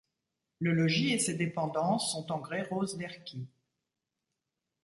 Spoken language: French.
Le logis et ses dépendances sont en grès roses d’Erquy.